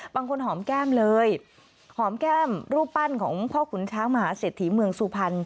หอมแก้มเลยหอมแก้มรูปปั้นของพ่อขุนช้างมหาเศรษฐีเมืองสุพรรณ